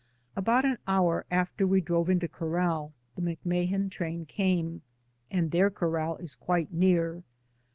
About an hour after we drove into corral the McMahan train came, and their corral is quite near.